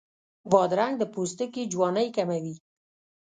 بادرنګ د پوستکي جوانۍ کموي.